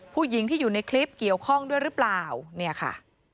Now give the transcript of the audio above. ผู้หญิงที่อยู่ในคลิปเกี่ยวข้องด้วยหรือเปล่าเนี่ยค่ะ